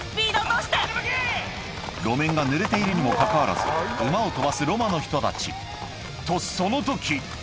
路面がぬれているにもかかわらず馬を飛ばすロマの人たちとその時！